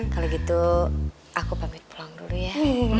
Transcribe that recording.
kalau gitu aku pamit pulang dulu ya